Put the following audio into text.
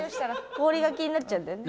氷が気になっちゃうんだよね。